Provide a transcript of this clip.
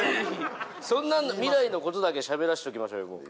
そんなん未来のことだけしゃべらせときましょうよ